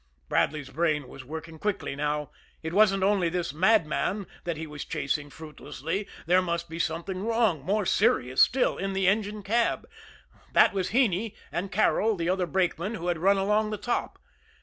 Bradley's brain was working quickly now. It wasn't only this madman that he was chasing fruitlessly. There must be something wrong, more serious still, in the engine cab that was Heney, and Carrol, the other brakeman, who had run along the top.